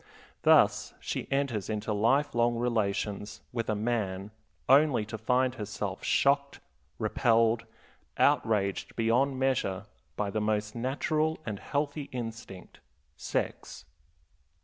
Thus she enters into life long relations with a man only to find herself shocked, repelled, outraged beyond measure by the most natural and healthy instinct, sex.